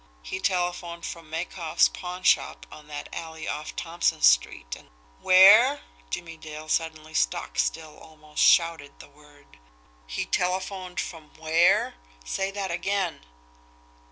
He telephoned from Makoff's pawnshop on that alley off Thompson Street, and " "WHERE!" Jimmie Dale, suddenly stock still, almost shouted the word. "He telephoned from where! Say that again!"